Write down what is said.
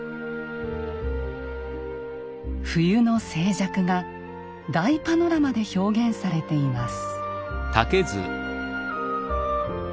冬の静寂が大パノラマで表現されています。